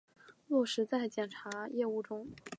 落实在检察业务中